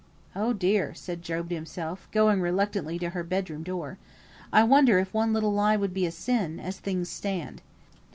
"Eh, dear!" said Job to himself, going reluctantly to her bed room door. "I wonder if one little lie would be a sin as things stand?